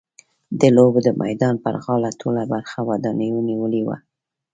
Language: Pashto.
د لوبو د میدان پر غاړه ټوله برخه ودانیو نیولې وه.